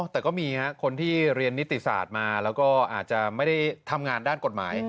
แต่ก็มีคนที่เรียนนิติศาสตร์มาแล้วก็อาจจะไม่ได้ทำงานด้านกฎหมาย